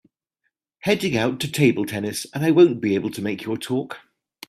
Heading out to table tennis and I won’t be able to make your talk.